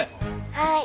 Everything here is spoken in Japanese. はい。